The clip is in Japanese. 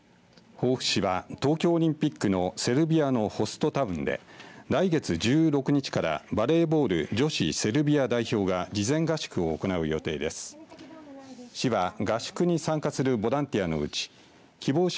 防府市は東京オリンピックのセルビアのホストタウンで来月１６日からバレーボール女子セルビア代表が事前合宿を行う予定です。